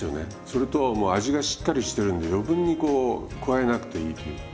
それともう味がしっかりしてるんで余分にこう加えなくていいという。